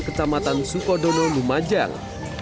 kecamatan sukodono lumajang